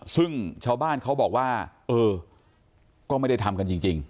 ซึ่งชาวบ้านเขาบอกว่าเออก็ไม่ได้ทำกันจริง